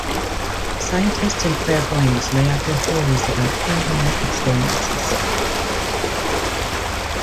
Scientists and clairvoyants lay out their theories about paranormal experiences.